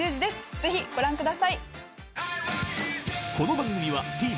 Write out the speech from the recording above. ぜひご覧ください。